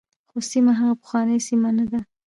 خو سیمه هغه پخوانۍ سیمه نه ده.